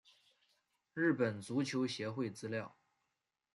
日本足球协会资料